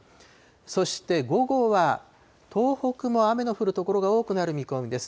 そして午後は、東北も雨の降る所が多くなる見込みです。